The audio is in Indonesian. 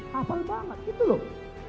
hafal banget gitu loh